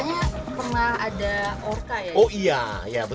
apakah kita bisa membuat pilihan yang sama